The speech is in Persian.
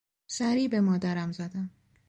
سری به مادرم زدم.